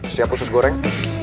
siap usus goreng